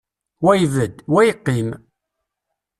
Wa ibedd, wa yeqqim.